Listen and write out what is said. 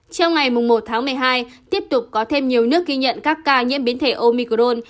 trong ngày một tháng một mươi hai tiếp tục có thêm nhiều nước ghi nhận các ca nhiễm biến thể omicron